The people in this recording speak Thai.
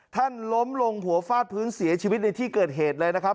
ท่านล้มลงหัวฟาดพื้นเสียชีวิตในที่เกิดเหตุเลยนะครับ